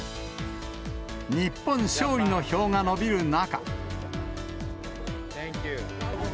日本勝利の票が伸びる中。